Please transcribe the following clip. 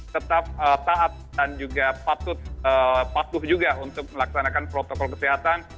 tetap taat dan juga patuh juga untuk melaksanakan protokol kesehatan